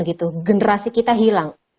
generasi kita hilang